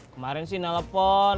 kemarin sih nelfon